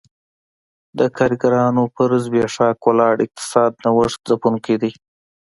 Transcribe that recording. د کارګرانو پر زبېښاک ولاړ اقتصاد نوښت ځپونکی دی